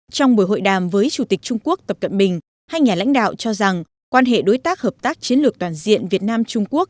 trong buổi hội đàm với chủ tịch trung quốc tập cận bình hai nhà lãnh đạo cho rằng quan hệ đối tác hợp tác chiến lược toàn diện việt nam trung quốc